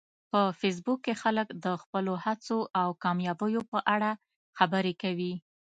په فېسبوک کې خلک د خپلو هڅو او کامیابیو په اړه خبرې کوي